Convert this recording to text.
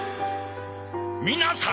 皆さん！